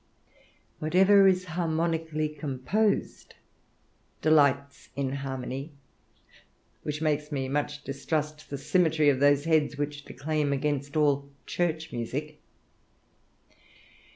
Whatsoever is harmonically composed, delights in harmony, which makes me much distrust the symmetry of those heads which declaim against all church music.